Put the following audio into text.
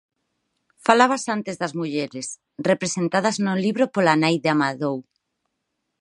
Falabas antes das mulleres, representadas no libro pola nai de Amadou.